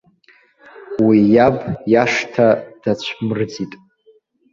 Уи иаб иашҭа дацәбмырӡит.